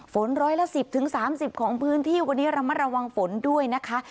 ฝนร้อยละ๑๐๓๐ของพื้นที่วันนี้ระมัดระวังฝนด้วยนะคะ